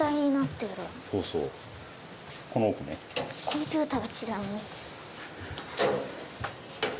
コンピューターが違うね。